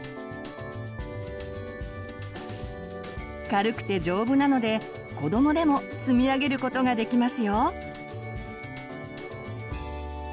軽くて丈夫なので子どもでも積み上げることができますよ。